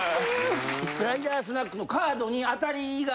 ライダースナックのカードに。